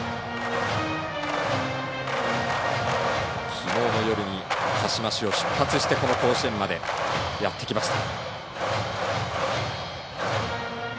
きのうの夜に鹿嶋市を出発してこの甲子園までやってきました。